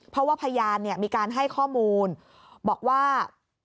เพราะว่าพยานมีการให้ข้อมูลบอกว่า